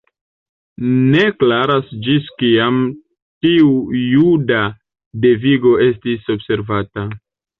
Ne klaras ĝis kiam tiu juda devigo estis observata.